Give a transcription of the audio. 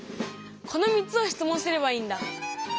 この３つを質問すればいいんだ！